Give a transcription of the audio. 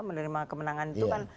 menerima kemenangan itu kan